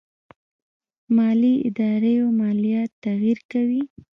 مالي داراییو ماليات تغير کوي.